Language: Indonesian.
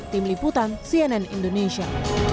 tim liputan cnn indonesia